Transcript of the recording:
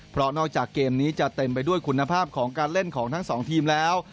เพราะนอกจากเกมนี้จะเต็มไปด้วยคุณภาพของการเล่นของทั้งสองทีมแล้ว